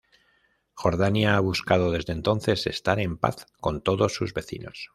Jordania ha buscado desde entonces estar en paz con todos sus vecinos.